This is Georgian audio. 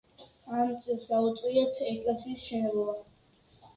ამ წელს დაუწყიათ ეკლესიის მშენებლობა.